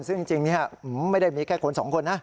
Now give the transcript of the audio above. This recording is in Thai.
ซึ่งจริงไม่ได้มีแค่คนสองคนนะ